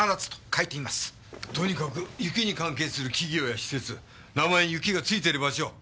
とにかく雪に関係する企業や施設名前に雪がついている場所。